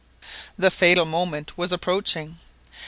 The fatal moment was approaching.